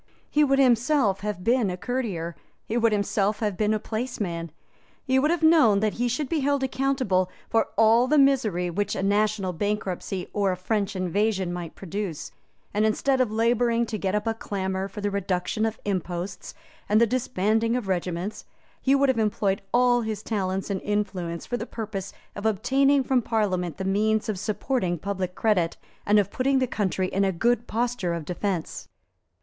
He would himself have been a courtier; he would himself have been a placeman; he would have known that he should be held accountable for all the misery which a national bankruptcy or a French invasion might produce; and, instead of labouring to get up a clamour for the reduction of imposts, and the disbanding of regiments, he would have employed all his talents and influence for the purpose of obtaining from Parliament the means of supporting public credit, and of putting the country in a good posture of defence.